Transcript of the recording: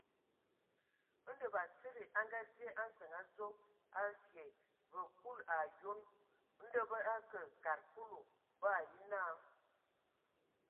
Ndɔ batsidi a ngadzye a nsǝŋ adzo a vyɛɛ̂! Vǝ kul o yonoŋ. Ndɔ bə akǝ kad Kulu, bo ai nye naa.